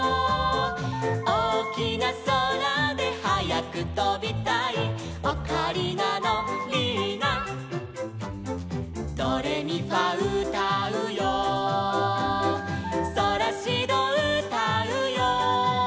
「おおきなそらではやくとびたい」「オカリナのリーナ」「ドレミファうたうよ」「ソラシドうたうよ」